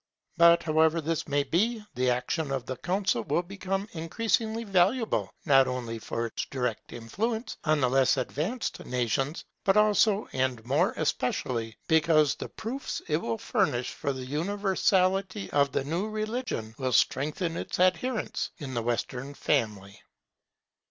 But however this may be, the action of the Council will become increasingly valuable, not only for its direct influence on the less advanced nations, but also and more especially, because the proofs it will furnish of the universality of the new religion will strengthen its adherents in the Western family.